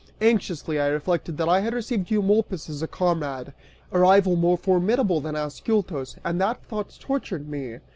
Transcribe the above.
Anxiously I reflected that I had received Eumolpus as a comrade, a rival more formidable than Ascyltos, and that thought tortured me.